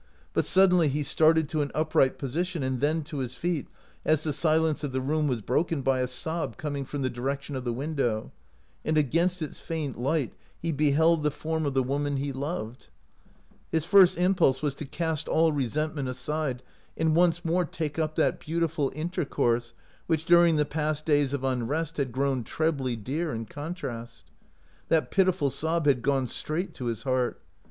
But suddenly he started to an upright position and then to his feet, as the silence of the room was broken by a sob coming from the direction of the window, and against its faint light he beheld the iorm of the woman he 130 OUT OF BOHEMIA loved. His first impulse was to cast all resentment aside and once more take up that beautiful intercourse which during the past days of unrest had grown trebly dear in contrast. That pitiful sob had gone straight to his heart.